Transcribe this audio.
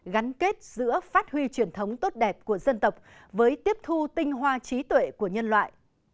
gắn kết giữa phát huy truyền thống tốt đẹp của dân tộc với tiếp thu tinh hoa trí tuệ của nhân loại